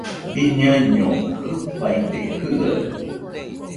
Biñaiño jɨfaide jɨaɨ